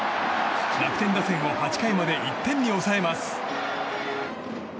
楽天打線を８回まで１点に抑えます。